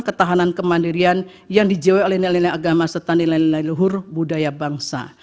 ketahanan kemandirian yang dijawai oleh nilai nilai agama serta nilai nilai luhur budaya bangsa